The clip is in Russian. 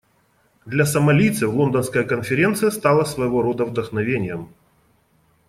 Для сомалийцев Лондонская конференция стала своего рода вдохновением.